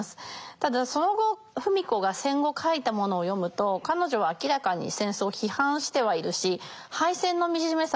ただその後芙美子が戦後書いたものを読むと彼女は明らかに戦争を批判してはいるし敗戦の惨めさをとてもうまく書いてます。